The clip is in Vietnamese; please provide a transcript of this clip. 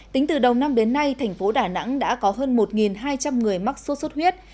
tính từ đầu năm đến nay thành phố đà nẵng đã có hơn một hai trăm linh người mắc sốt xuất huyết